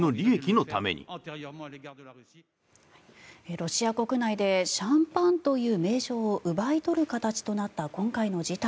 ロシア国内でシャンパンという名称を奪い取る形となった今回の事態。